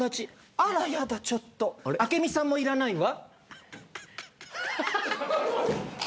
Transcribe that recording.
あらやだちょっと明美さんもいらないわ。